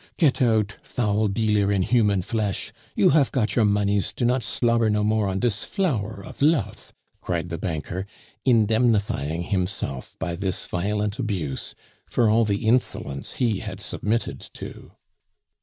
"Get out, foul dealer in human flesh! You hafe got your moneys; do not slobber no more on dis flower of lofe!" cried the banker, indemnifying himself by this violent abuse for all the insolence he had submitted to.